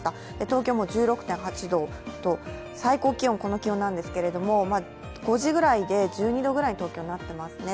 東京も１５．８度と最高気温この気温なんですが５時ぐらいで１２度ぐらいに東京はなっていますね。